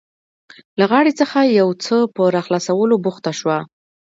له غاړې څخه د یو څه په راخلاصولو بوخته شوه.